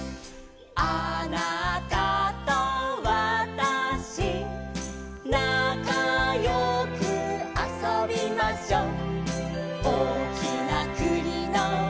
「あなたとわたしなかよくあそびましょう」